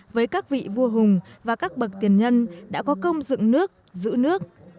với các vị vua hùng và các bậc tiền nhân đã có công dựng nước giữ nước